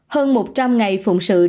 hơn một trăm linh ngày phụng sự